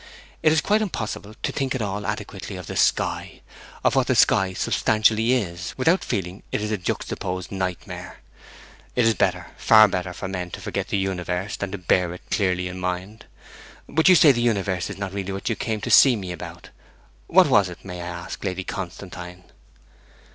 It is quite impossible to think at all adequately of the sky of what the sky substantially is, without feeling it as a juxtaposed nightmare. It is better far better for men to forget the universe than to bear it clearly in mind! ... But you say the universe was not really what you came to see me about. What was it, may I ask, Lady Constantine?'